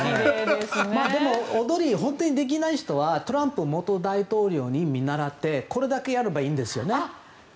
でも踊り、本当にできない人はトランプ元大統領に見習って手を振ることだけやればいいんですよね。